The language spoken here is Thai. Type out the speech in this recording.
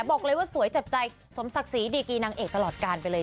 บอกเลยว่าสวยจับใจสมศักดิ์ศรีดีกีนางเอกตลอดการไปเลย